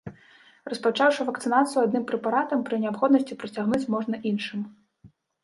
Распачаўшы вакцынацыю адным прэпаратам, пры неабходнасці працягнуць можна іншым.